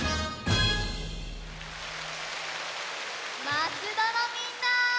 まつどのみんな！